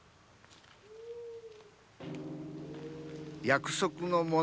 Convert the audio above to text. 約束の物